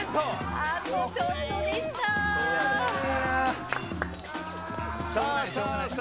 あとちょっとでした。